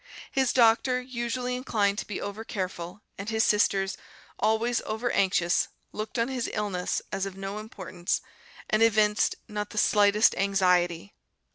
His doctor, usually inclined to be over careful, and his sisters, always over anxious, looked on his illness as of no importance, and evinced not the slightest anxiety.